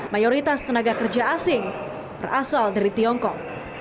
mayoritas tenaga kerja asing berasal dari tiongkok